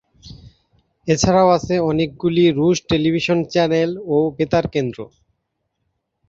এছাড়াও আছে অনেকগুলি রুশ টেলিভিশন চ্যানেল ও বেতার কেন্দ্র।